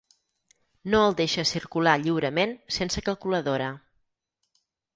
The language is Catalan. No el deixa circular lliurement sense calculadora.